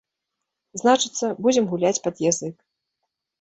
Значыцца, будзем гуляць пад язык.